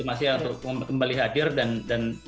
untuk kembali hadir dan